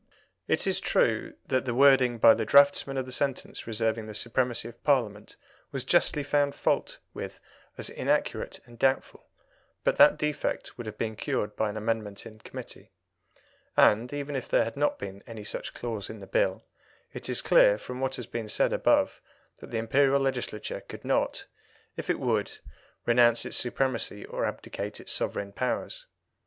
It is true that the wording by the draftsman of the sentence reserving the supremacy of Parliament was justly found fault with as inaccurate and doubtful, but that defect would have been cured by an amendment in Committee; and, even if there had not been any such clause in the Bill, it is clear, from what has been said above, that the Imperial Legislature could not, if it would, renounce its supremacy or abdicate its sovereign powers.